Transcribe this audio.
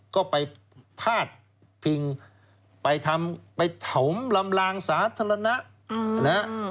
ก็ไปพาดพิงไปทำไปถมลำลางสาธารณะนะฮะ